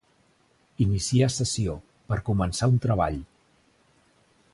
Iniciar sessió, per començar un treball.